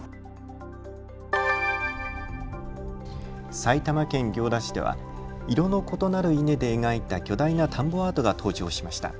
埼玉県行田市では色の異なる稲で描いた巨大な田んぼアートが登場しました。